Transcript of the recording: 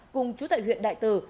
cùng chú tại huyện đại từ